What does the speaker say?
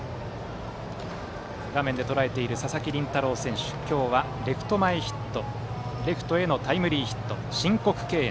映っていた佐々木麟太郎選手は今日は、レフト前ヒットレフトへのタイムリーヒット申告敬遠。